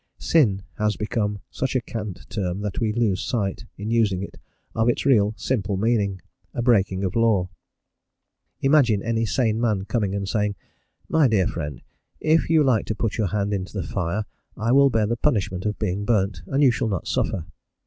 "Sin" has become such a cant term that we lose sight, in using it, of its real simple meaning, a breaking of law. Imagine any sane man coming and saying, "My dear friend; if you like to put your hand into the fire I will bear the punishment of being burnt, and you shall not suffer."